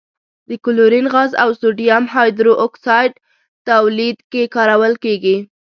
د کلورین غاز او سوډیم هایدرو اکسایډ تولید کې کارول کیږي.